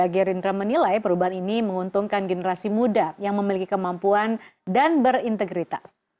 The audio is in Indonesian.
gerindra menilai perubahan ini menguntungkan generasi muda yang memiliki kemampuan dan berintegritas